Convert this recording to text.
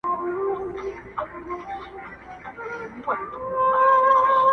دا د باروتو د اورونو کیسې٫